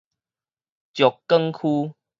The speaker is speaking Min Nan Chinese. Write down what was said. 石硿區